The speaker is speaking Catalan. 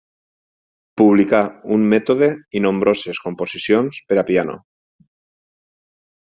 Publicà un mètode i nombroses composicions per a piano.